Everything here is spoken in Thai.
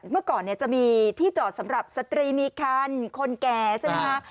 เมื่อก่อนจะมีที่จอดสำหรับสตรีมีคันคนแก่ใช่ไหมคะ